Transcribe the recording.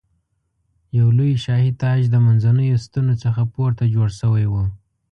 یو لوی شاهي تاج د منځنیو ستنو څخه پورته جوړ شوی و.